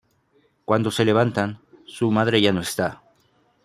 Cuando se levantan, su madre ya no está.